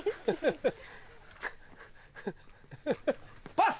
パス！